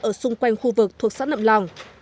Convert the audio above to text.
ở xung quanh khu vực thuộc xã nậm lòng